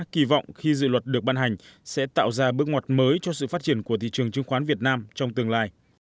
kỳ vọng khi dự luật được ban hành sẽ tạo ra bước ngoặt mới cho sự phát triển của thị trường chứng khoán việt nam trong tương lai